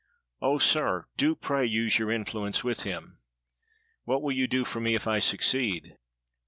"Oh, sir! do pray use your influence with him." "What will you do for me if I succeed?"